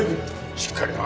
しっかりな！